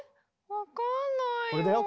分かんないよ。